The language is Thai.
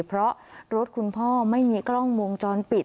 เพราะรถคุณพ่อไม่มีกล้องวงจรปิด